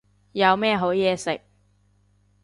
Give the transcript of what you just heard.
有咩好嘢食